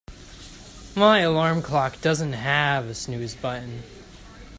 My alarm clock doesn't have a snooze button.